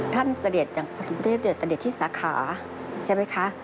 ท่านเสด็จอย่างประสงค์ประเทศเดือดตะเด็จที่สาขาใช่ไหมคะ